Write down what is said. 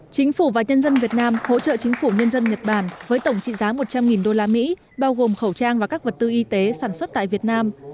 chính phủ và nhân dân việt nam hỗ trợ chính phủ nhân dân nhật bản với tổng trị giá một trăm linh usd bao gồm khẩu trang và các vật tư y tế sản xuất tại việt nam